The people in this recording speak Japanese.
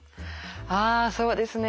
あそうですね。